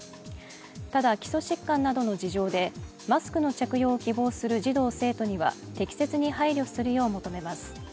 ただ、基礎疾患などの事情でマスクの着用を希望する児童・生徒には適切に配慮するよう求めます。